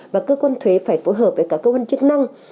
mà cơ quan thuế phải phối hợp với cả cơ quan chức năng